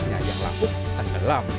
hanya yang laku dan gelap